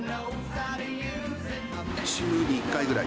週に１回ぐらい。